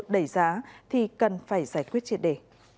đẩy giá thì cần phải giải quyết triệt đề